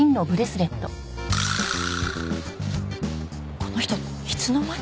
この人いつの間に？